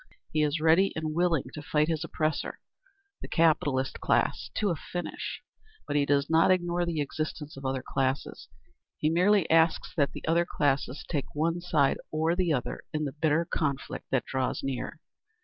He is ready and willing to fight his oppressor, the capitalist class, to a finish. But he does not ignore the existence of other classes. He merely asks that the other classes take one side or the other in the bitter conflict that draws near….